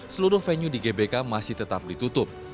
seluruh venue di gbk masih tetap ditutup